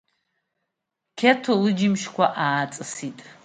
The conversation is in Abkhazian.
Қьеҭо лыџьымшьқәа ааҵысит.